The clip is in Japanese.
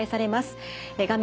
画面